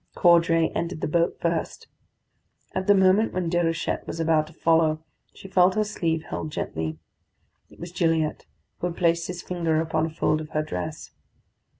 Caudray entered the boat first. At the moment when Déruchette was about to follow, she felt her sleeve held gently. It was Gilliatt, who had placed his finger upon a fold of her dress.